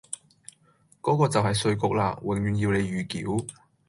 嗰個就系稅局啦，永遠要你預繳。